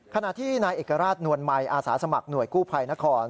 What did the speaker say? ขณะที่นายเอกราชนวลใหม่อาสาสมัครหน่วยกู้ภัยนคร